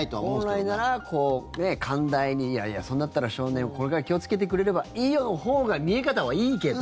本来なら、寛大にいやいや、それだったら少年はこれから気をつけてくれればいいよのほうが見え方はいいけど。